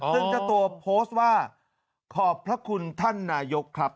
ซึ่งเจ้าตัวโพสต์ว่าขอบพระคุณท่านนายกครับ